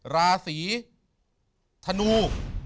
ราศีธนู